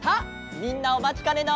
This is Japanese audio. みんなおまちかねの。